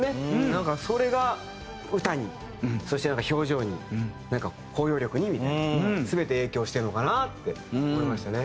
なんかそれが歌にそして表情になんか包容力にみたいな全て影響してるのかなって思いましたね。